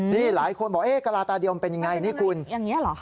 นี่หลายคนบอกกระลาตาเดียวมันเป็นยังไงนี่คุณอย่างนี้เหรอคะ